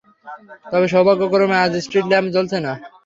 তবে সৌভাগ্যক্রমে আজ street lamp জ্বলছে না।